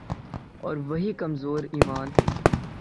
اور وہی کمزور ایمان۔